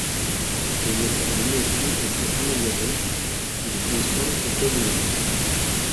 Le moteur a lui aussi été amélioré, il consomme et pollue moins.